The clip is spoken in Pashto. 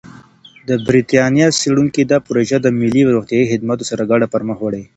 د بریتانیا څېړونکي دا پروژه د ملي روغتیايي خدماتو سره ګډه پرمخ وړي.